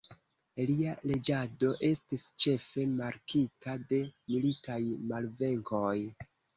Lia reĝado estis ĉefe markita de militaj malvenkoj.